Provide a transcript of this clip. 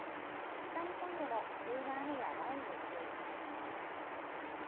北日本でも急な雨や雷雨に注意してください。